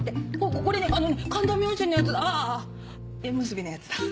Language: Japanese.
これね神田明神のやつあぁ縁結びのやつだ。